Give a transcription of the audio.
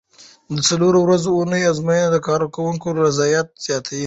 د څلورو ورځو اونۍ ازموینه د کارکوونکو رضایت زیاتوي.